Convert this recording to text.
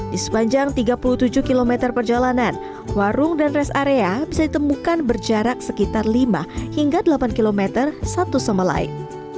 di sepanjang tiga puluh tujuh km perjalanan warung dan rest area bisa ditemukan berjarak sekitar lima hingga delapan km satu sama lain